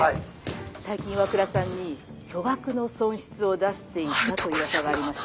最近岩倉さんに巨額の損失を出していたといううわさがありまして」。